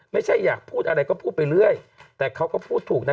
ไม่ใช่อยากพูดอะไรก็พูดไปเรื่อยแต่เขาก็พูดถูกนะ